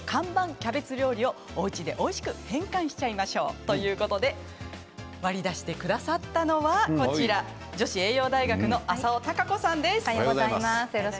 キャベツ料理をおうちでおいしく変換しちゃいましょうということで割り出してくださったのはこちら、女子栄養大学の浅尾貴子さんです。